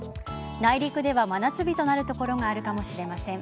内陸では真夏日となる所があるかもしれません。